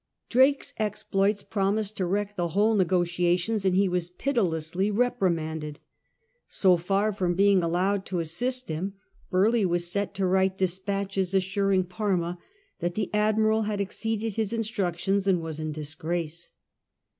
Drake's exploits promised to wreck the whole negotiations, and he was pitilessly reprimanded. So far from being allowed to assist him, Burleigh was set to write despatches assuring Parma that the Admiral had exceeded his instructions and was in disgrace.